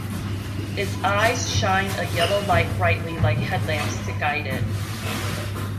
Its eyes shine a yellow light brightly like headlamps to guide it.